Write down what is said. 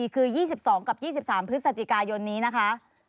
คือ๒๒กับ๒๓พฤศจิกายนนี้นะคะ